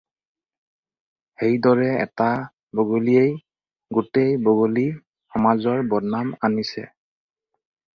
সেইদৰে এটা বগলীয়েই গোটেই বগলী সমাজৰ বদনাম আনিছে।